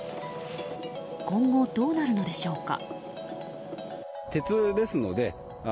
今後、どうなるのでしょうか。